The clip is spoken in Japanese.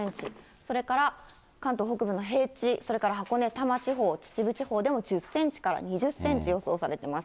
それから関東北部の平地、それから箱根、多摩地方、秩父地方でも１０センチから２０センチ予想されてます。